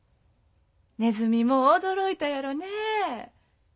ねずみも驚いたやろねえ。